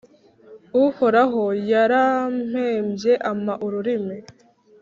Uhoraho yarampembye, ampa ururimi,